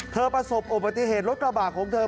ประสบอุบัติเหตุรถกระบาดของเธอ